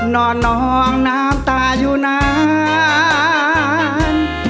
นอนนองน้ำตาอยู่นาน